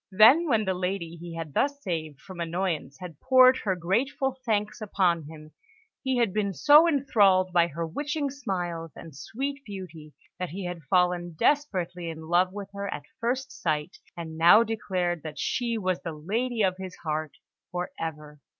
Then, when the lady he had thus saved from annoyance had poured her grateful thanks upon him, he had been so enthralled by her witching smiles and sweet beauty, that he had fallen desperately in love with her at first sight, and now declared that she was the lady of his heart for ever.